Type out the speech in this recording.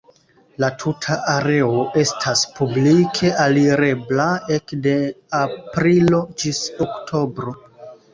La tuta areo estas publike alirebla ekde aprilo ĝis oktobro.